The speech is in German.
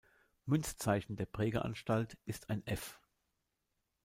Münzzeichen der Prägeanstalt ist ein „F“.